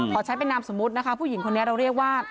ขอใช้เป็นนามสมมุตินะคะผู้หญิงคนนี้เราเรียกว่า